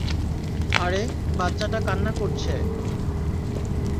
আরে বাচ্চাটা কান্না করছে।